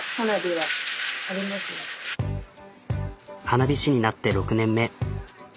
花火師になって６年目。